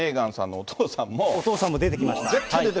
お父さんも出てきました。